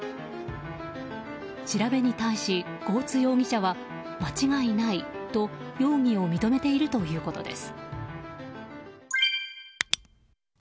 調べに対し合津容疑者は間違いないと容疑を認めているということです。